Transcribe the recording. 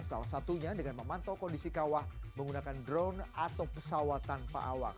salah satunya dengan memantau kondisi kawah menggunakan drone atau pesawat tanpa awak